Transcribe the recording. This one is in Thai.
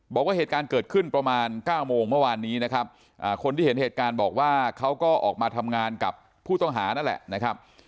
บอกว่าเหตุการณ์เกิดขึ้นประมาณ๙โมงเมื่อวานนี้นะครับคนที่เห็นเหตุการณ์บอกว่าเขาก็ออกมาทำงานกับผู้ต้องหานั่นแหละนะครับ